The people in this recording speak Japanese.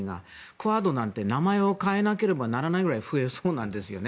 クアッドなんて、名前を変えなければならないぐらい増えそうなんですね。